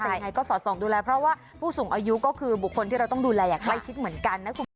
แต่ยังไงก็สอดส่องดูแลเพราะว่าผู้สูงอายุก็คือบุคคลที่เราต้องดูแลอย่างใกล้ชิดเหมือนกันนะคุณผู้ชม